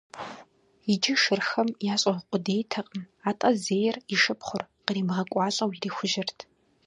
Иджы шырхэм ящӀыгъу къудейтэкъым, атӀэ зейр – и шыпхъур – къримыгъэкӀуалӀэу, ирихужьэрт.